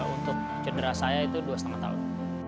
untuk cedera saya itu dua lima tahun